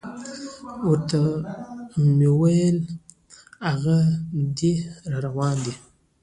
ورته مې وویل: هاغه دی را روان دی.